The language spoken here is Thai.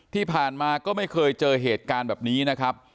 ที่ผ่านมาก็ไม่เคยเจอเหตุการณ์แบบนี้นะครับ